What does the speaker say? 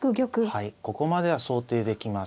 はいここまでは想定できます。